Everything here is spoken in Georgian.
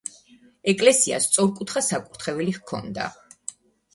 ეკლესიას სწორკუთხა საკურთხეველი ჰქონდა.